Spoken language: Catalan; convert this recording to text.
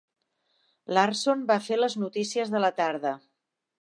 Larson va fer les notícies de la tarda.